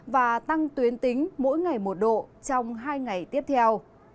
và tăng tuyến tính mỗi ngày một độ trong hai ngày tiếp theo